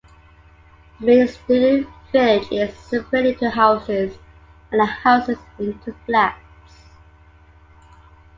The main student village is separated into houses and the houses into flats.